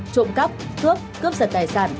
trộm cắp cướp cướp sật tài sản